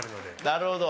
なるほど。